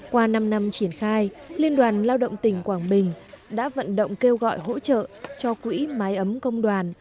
qua năm năm triển khai liên đoàn lao động tỉnh quảng bình đã vận động kêu gọi hỗ trợ cho quỹ máy ấm công đoàn